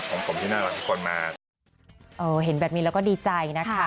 ของผมที่น่ารักทุกคนมาเออเห็นแบบนี้แล้วก็ดีใจนะคะ